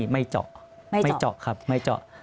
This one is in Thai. ไม่เจาะไม่เจาะครับไม่เจาะ